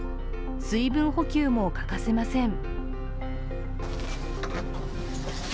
水分補給も欠かせません。